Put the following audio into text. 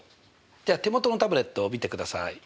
では手元のタブレットを見てください。